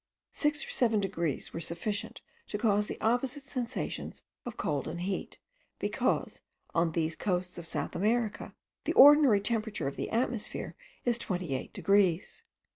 Six or seven degrees were sufficient to cause the opposite sensations of cold and heat; because, on these coasts of South America, the ordinary temperature of the atmosphere is twenty eight degrees.